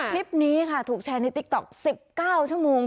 คลิปนี้ค่ะถูกแชร์ในติ๊กต๊อก๑๙ชั่วโมง